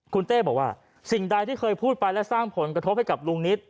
คุณเต้บอกว่าสิ่งใดที่เคยพูดไปและสร้างผลกระทบให้กับลุงนิต